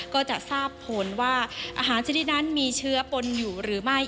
ก็จะทราบผลว่าอาหารชนิดนั้นมีเชื้อปนอยู่หรือไม่